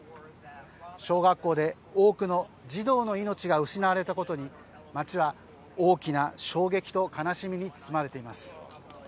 小学校で多くの児童の命が失われたことに町は大きな衝撃と悲しみに包まれています。